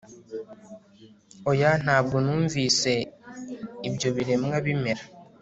oya! ntabwo numvise ibyo biremwa bimera